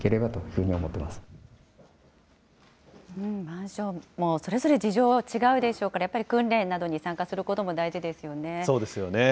マンションもそれぞれ事情は違うでしょうから、やっぱり訓練などに参加することも大事ですよね。